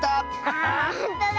あほんとだ。